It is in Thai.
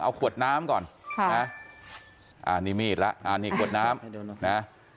เอาขวดน้ำก่อนค่ะนะอ่านี่มีดแล้วอ่านี่ขวดน้ำนะ